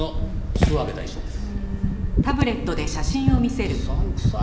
「諏訪部孝一です」